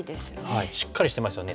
しっかりしてますよね。